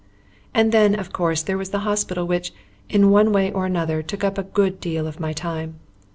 And then, of course, there was the hospital which, in one way or another, took up a good deal of my time.